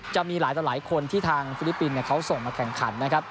จะมีหลายต่อหลายคนที่ทางฟิลิปปินส์เขาส่งมาแข่งขันนะครับ